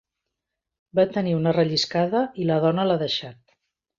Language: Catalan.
Va tenir una relliscada i la dona l'ha deixat.